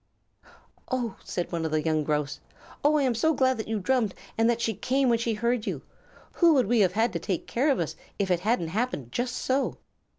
"Oh!" said one of the young Grouse. "Oh, I am so glad that you drummed, and that she came when she heard you. Who would we have had to take care of us if it hadn't happened just so?"